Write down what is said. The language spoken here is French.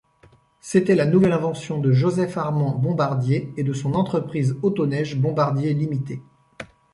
C'était la nouvelle invention de Joseph-Armand Bombardier et de son entreprise Auto-Neige Bombardier Limitée.